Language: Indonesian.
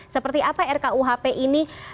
seperti apa rkuhp ini